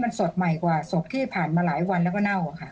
มันสดใหม่กว่าศพที่ผ่านมาหลายวันแล้วก็เน่าค่ะ